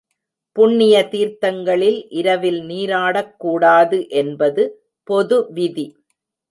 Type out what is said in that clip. புண்ணிய தீர்த்தங்களில் இரவில் நீராடக்கூடாது என்பது பொது விதி.